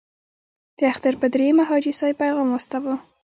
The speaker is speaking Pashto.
د اختر په دریمه حاجي صاحب پیغام واستاوه.